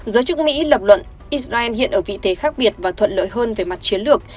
giới chức mỹ lập luận israel hiện ở vị thế khác biệt và thuận lợi hơn về mặt chiến lược